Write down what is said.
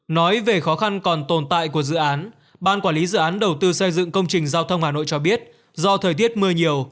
nói về khó khăn còn tồn tại của dự án ban quản lý dự án đầu tư xây dựng công trình giao thông hà nội cho biết do thời tiết mưa nhiều